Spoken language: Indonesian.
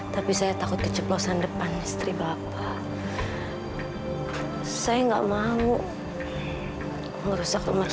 tapi saya takut keceplosan depan istri bapak saya gak mau ngerusak umat nondara